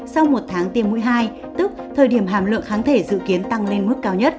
sau một tháng tiêm mũi hai tức thời điểm hàm lượng kháng thể dự kiến tăng lên mức cao nhất